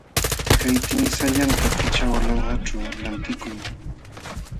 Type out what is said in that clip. Kay tinisallanta pichqa walanqaćhu lantikuy.